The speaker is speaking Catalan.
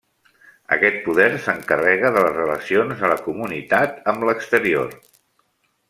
Aquest poder s'encarrega de les relacions de la comunitat amb l'exterior.